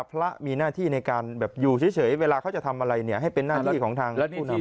พระมีหน้าที่ในการแบบอยู่เฉยเวลาเขาจะทำอะไรเนี่ยให้เป็นหน้าที่ของทางผู้นำ